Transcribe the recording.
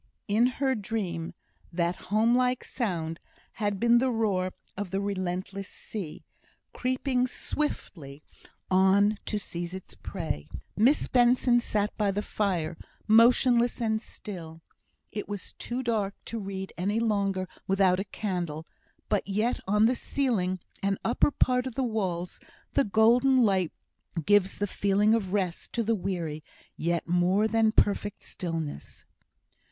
In her dream that home like sound had been the roaring of the relentless sea, creeping swiftly on to seize its prey. Miss Benson sat by the fire, motionless and still; it was too dark to read any longer without a candle; but yet on the ceiling and upper part of the walls the golden light of the setting sun was slowly moving so slow, and yet a motion gives the feeling of rest to the weary yet more than perfect stillness.